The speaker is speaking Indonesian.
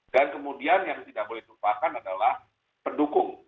dan kemudian yang tidak boleh dilupakan adalah pendukung